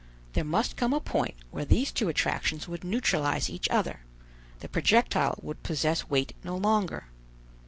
There must come a point where these two attractions would neutralize each other: the projectile would possess weight no longer.